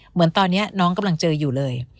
เหมือนตอนนี้น้องกำลังเจออยู่เลย